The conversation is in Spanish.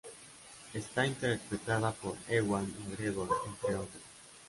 Está interpretada por Ewan McGregor, entre otros.